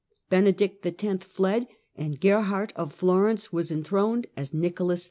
Benedict X. tied, and Gerhard of Florence was enthroned as Nicholas II.